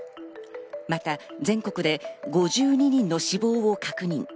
また全国で５２人の死亡を確認。